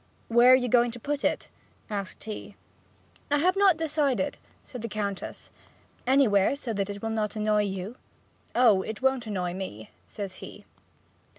'Where are you going to put it?' asked he. 'I have not decided,' said the Countess. 'Anywhere, so that it will not annoy you.' 'Oh, it won't annoy me,' says he.